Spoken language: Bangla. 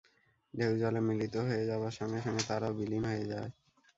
ঢেউ জলে মিলিত হয়ে যাবার সঙ্গে সঙ্গে তারাও বিলীন হয়ে যায়।